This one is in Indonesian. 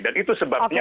dan itu sebabnya